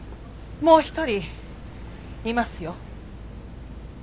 もう一人いますよ。